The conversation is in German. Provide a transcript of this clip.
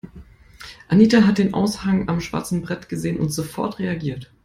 Anita hat den Aushang am schwarzen Brett gesehen und sofort reagiert.